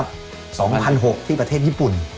๒๐๐๖๐๐ที่ประเทศญี่ปุ่น